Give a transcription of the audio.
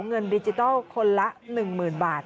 เงินดิจิทัลคนละ๑๐๐๐บาท